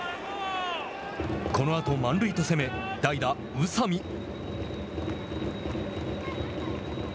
このあと満塁と攻め代打・宇佐美。